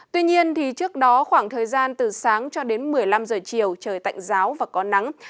tuy nhiên trước đó khoảng thời gian từ sáng cho đến một mươi năm giờ chiều trời tạnh giáo và có nắng